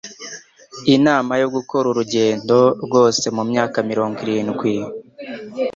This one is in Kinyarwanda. inama yo Gukora Urugendo Rwose Mumyaka mirongo irindwi